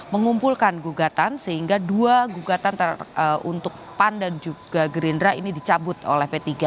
mengumpulkan gugatan sehingga dua gugatan untuk pan dan juga gerindra ini dicabut oleh p tiga